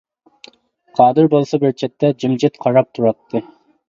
قادىر بولسا بىر چەتتە جىمجىت قاراپ تۇراتتى.